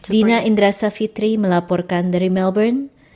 dina indra savitri melaporkan dari melbourne